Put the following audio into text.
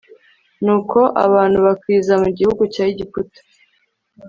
nuko abantu bakwizwa mu gihugu cya egiputa